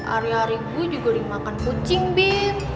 ari ari gue juga dimakan kucing bim